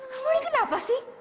kamu ini kenapa sih